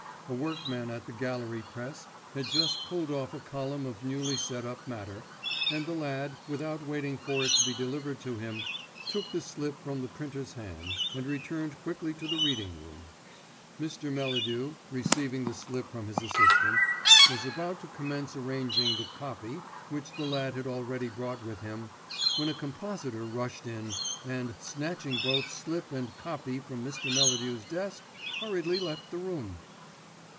A workman at the galley press had just pulled off a column of newly set up matter, and the lad, without waiting for it to be delivered to him, took the slip from the printer's hand, and returned quickly to the reading room. Mr. Melladew, receiving the slip from his assistant, was about to commence arranging the "copy," which the lad had also brought with him, when a compositor rushed in, and, snatching both slip and "copy" from Mr. Melladew's desk, hurriedly left the room.